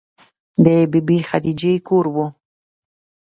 د بې بي خدیجې کور و.